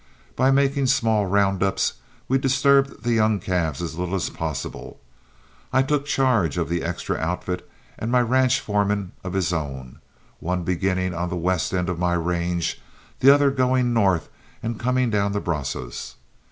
By making small round ups, we disturbed the young calves as little as possible. I took charge of the extra outfit and my ranch foreman of his own, one beginning on the west end of my range, the other going north and coming down the Brazos.